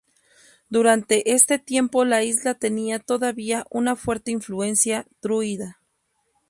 Durante este tiempo la isla tenía todavía una fuerte influencia druida.